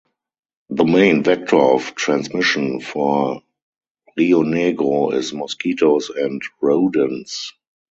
The main vector of transmission for Rio Negro is mosquitoes and rodents.